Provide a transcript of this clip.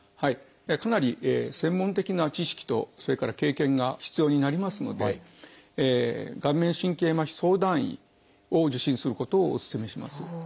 かなり専門的な知識とそれから経験が必要になりますので顔面神経麻痺相談医を受診することをお勧めします。